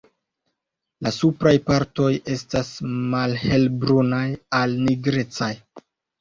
La supraj partoj estas malhelbrunaj al nigrecaj.